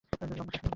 লম্বা শ্বাস নে।